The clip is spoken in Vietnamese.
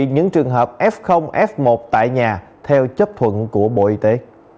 những trường hợp f f một tại nhà theo chấp thuận của bộ y tế